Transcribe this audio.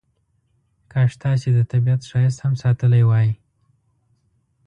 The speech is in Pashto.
کاش تاسې د طبیعت ښایست هم ساتلی وای.